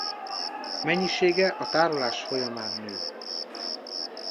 Mennyisége a tárolás folyamán nő.